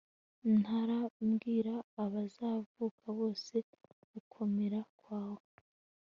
ntarabwira abazavuka bose gukomera kwawe